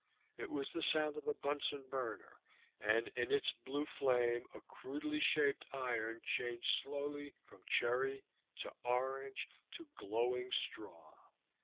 It was the sound of a Bunsen burner, and in its blue flame a crudely shaped iron changed slowly from cherry to orange to glowing straw.